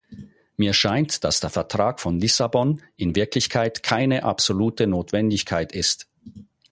Mir scheint, dass der Vertrag von Lissabon in Wirklichkeit keine absolute Notwendigkeit ist.